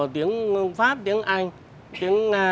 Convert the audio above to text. tiếng pháp tiếng anh tiếng nga